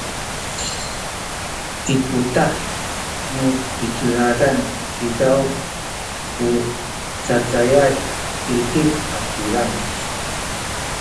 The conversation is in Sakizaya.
i putah nu picudadan izaw ku cacayay titic a kilang